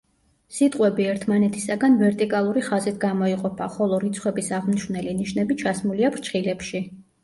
სიტყვები ერთმანეთისაგან ვერტიკალური ხაზით გამოიყოფა, ხოლო რიცხვების აღმნიშვნელი ნიშნები ჩასმულია ფრჩხილებში.